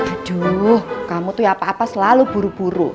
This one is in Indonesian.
aduh kamu tuh ya apa apa selalu buru buru